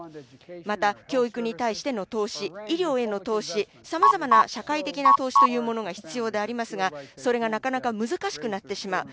また、教育に対しての投資、医療への投資、さまざまな社会的な投資というものが必要でありますがそれがなかなか難しくなってしまう。